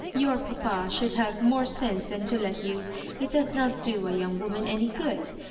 Tour papa should have more sense than to let you. It does not do a young woman any good.